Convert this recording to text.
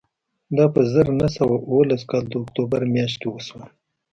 دا په زر نه سوه اوولس کال د اکتوبر میاشت کې وشول